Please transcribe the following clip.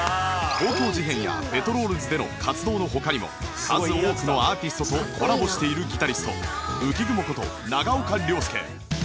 東京事変やペトロールズでの活動の他にも数多くのアーティストとコラボしているギタリスト浮雲こと長岡亮介